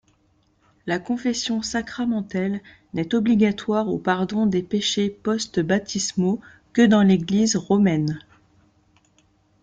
La confession sacramentelle n'est obligatoire au pardon des péchés post-baptismaux que dans l'église romaine.